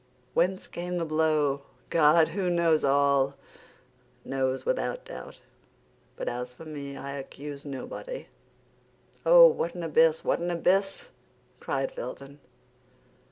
Whence came the blow? God who knows all, knows without doubt; but as for me, I accuse nobody." "Oh, what an abyss; what an abyss!" cried Felton.